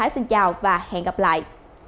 xin chào và hẹn gặp lại